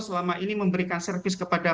selama ini memberikan servis kepada